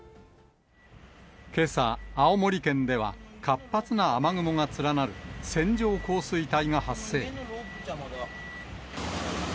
けさ、青森県では、活発な雨雲が連なる線状降水帯が発生。